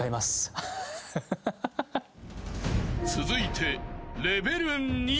［続いて］